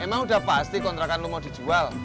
emang udah pasti kontrakan lo mau dijual